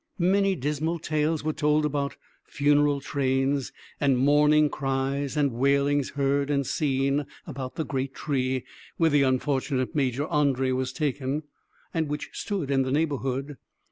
Many dismal tales were told about funeral trains, and mourning cries and wailings heard and seen about the great tree where the unfortunate Major André was taken, and which stood in the neighborhood.